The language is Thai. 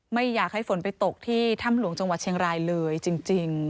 ไม่อยากให้ฝนไปตกที่ถ้ำหลวงจังหวัดเชียงรายเลยจริง